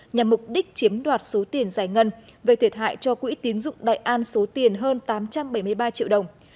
nhằm mục đích chiếm đoạt số tiền giải ngân gây thiệt hại cho quỹ tín dụng đại an số tiền hơn tám trăm bảy mươi ba triệu đồng